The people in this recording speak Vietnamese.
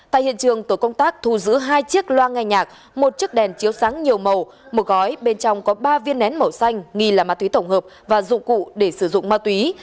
tại hiện trường tổ công tác thu giữ hai chiếc loa nghe nhạc một chiếc đèn chiếu sáng nhiều màu một gói bên trong có ba viên nén màu xanh nghi là ma túy tổng hợp và dụng cụ để sử dụng ma túy